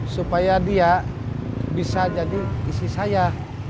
supaya dia bisa jadi istri saya